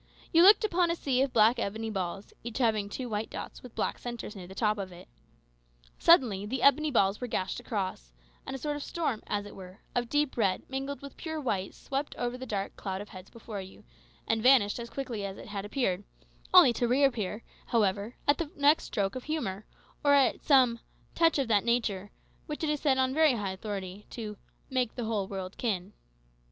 You looked upon a sea of black ebony balls, each having two white dots with black centres near the top of it. Suddenly the ebony balls were gashed across, and a sort of storm, as it were, of deep red mingled with pure white swept over the dark cloud of heads before you, and vanished as quickly as it had appeared, only to reappear, however, at the next stroke of humour, or at some "touch of that nature" which is said on very high authority, to "make the whole world kin."